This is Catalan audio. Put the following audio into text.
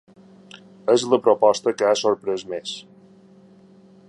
És la proposta que ha sorprès més.